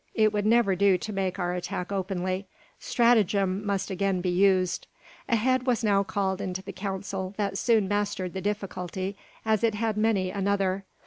It would never do to make our attack openly. Stratagem must again be used. A head was now called into the council that soon mastered the difficulty, as it had many another.